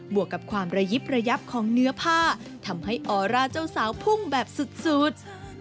วกกับความระยิบระยับของเนื้อผ้าทำให้ออร่าเจ้าสาวพุ่งแบบสุด